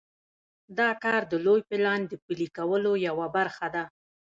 دا کار د لوی پلان د پلي کولو یوه برخه ده.